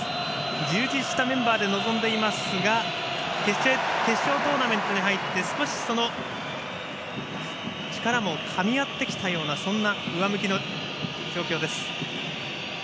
充実したメンバーで臨んでいますが決勝トーナメントに入って少しその力もかみ合ってきたようなそんな上向きの状況です。